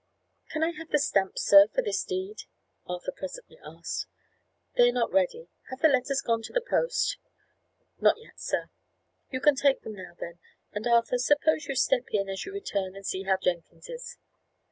"Can I have the stamps, sir, for this deed?" Arthur presently asked. "They are not ready. Have the letters gone to the post?" "Not yet, sir." "You can take them now, then. And, Arthur, suppose you step in, as you return, and see how Jenkins is."